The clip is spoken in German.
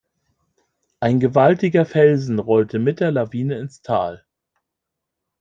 Ein gewaltiger Felsen rollte mit der Lawine ins Tal.